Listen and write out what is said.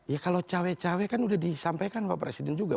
ya kalau cawe cawe kan sudah disampaikan pak presiden juga